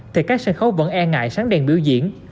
thì các sân khấu vẫn e ngại sáng đèn biểu diễn